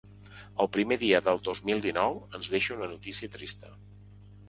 El primer dia del dos mil dinou ens deixa una notícia trista.